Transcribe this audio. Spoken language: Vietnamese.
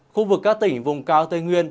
khu vực các tỉnh vùng cao tây nguyên